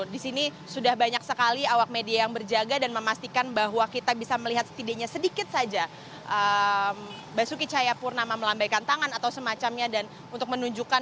di sini sudah banyak sekali awak media yang berjaga dan memastikan bahwa kita bisa melihat setidaknya sedikit saja